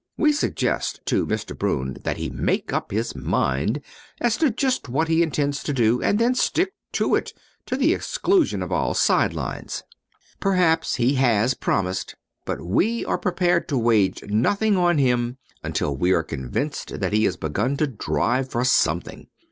We suggest to Mr. Broun that he make up his mind as to just what he intends to do and then stick to it to the exclusion of all sidelines. Perhaps he has promised, but we are prepared to wager nothing on him until we are convinced that he has begun to drive for something.